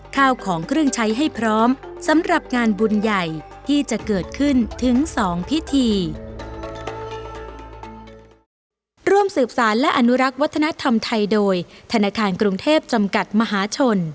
ข้าวของเครื่องใช้ให้พร้อมสำหรับงานบุญใหญ่ที่จะเกิดขึ้นถึงสองพิธี